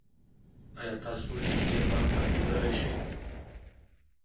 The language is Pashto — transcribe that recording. ایا تاسو نږدې بانک موندلی شئ؟